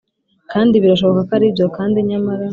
kandi birashoboka ko aribyo, kandi nyamara